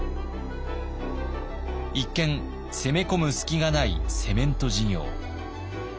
一見攻め込む隙がないセメント事業。